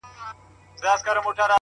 د غيږي د خوشبو وږم له مياشتو حيسيږي،